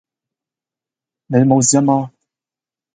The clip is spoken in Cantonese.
你冇事吖嘛?